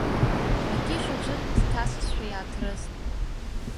Ақьышә аӡәы дҭасызшәа иааҭрыст.